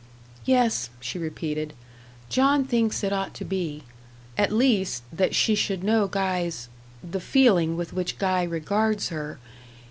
"Yes," she repeated; "John thinks it ought to be. At least, that she should know Guy's the feeling with which Guy regards her.